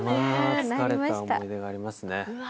疲れた思い出がありますね。